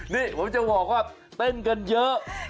นี่ผมจะบอกว่าเต้นกันเยอะ